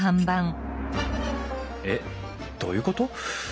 えっどういうこと？